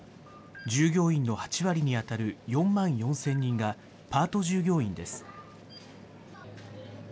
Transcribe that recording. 従業員の８割に当たる４万４０００人がパート従業員です。